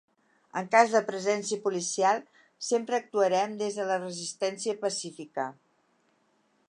En cas de presència policial, sempre actuarem des de la resistència pacífica.